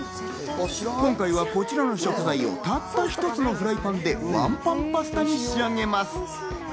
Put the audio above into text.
今回はこちらの食材をたった一つのフライパンでワンパンパスタに仕上げます。